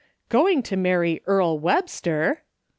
" Going to marry Earle Webster